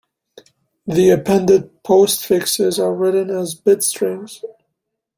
The appended postfixes are written as bit strings.